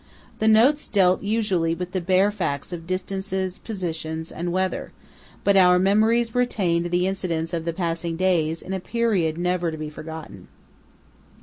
The notes dealt usually with the bare facts of distances, positions, and weather, but our memories retained the incidents of the passing days in a period never to be forgotten.